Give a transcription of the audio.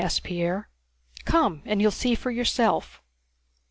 asked Pierre. "Come, and you'll see for yourself."